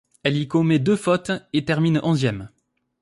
Elle y commet deux fautes et termine onzième.